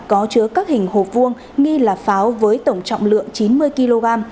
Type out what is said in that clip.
có chứa các hình hộp vuông nghi là pháo với tổng trọng lượng chín mươi kg